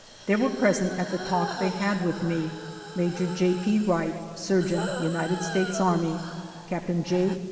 " There were present at the talk they had with me Major J. P. Wright, surgeon, United States Army; Captain J.